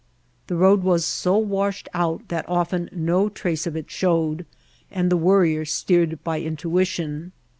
The road was so washed out that often no trace of it showed and the Worrier steered by intuition.